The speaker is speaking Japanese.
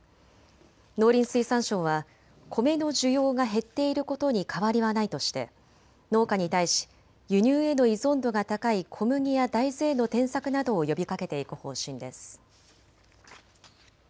農林水産省はコメの需要が減っていることに変わりはないとして農家に対し輸入への依存度が高い小麦や大豆への転作などを呼びかけていく方針です。